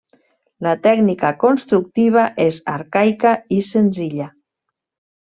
La tècnica constructiva és arcaica i senzilla.